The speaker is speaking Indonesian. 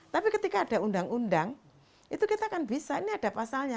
tapi ketika ada undang undang itu kita akan bisa ini ada pasalnya